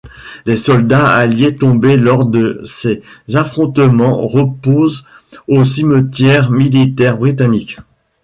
Les soldats alliés tombés lors de ces affrontements reposent au cimetière militaire britannique.